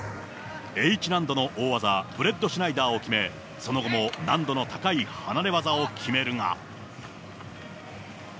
Ｈ難度の大技、ブレッドシュナイダーを決め、その後も難度の高い離れ技を決めるが。